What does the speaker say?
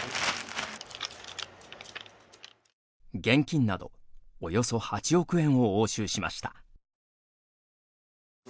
現金など、およそ８億円を押収しました。